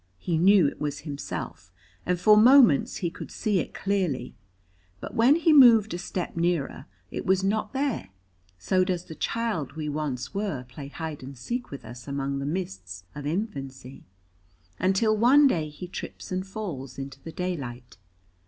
He knew it was himself, and for moments he could see it clearly, but when he moved a step nearer it was not there. So does the child we once were play hide and seek with us among the mists of infancy, until one day he trips and falls into the daylight.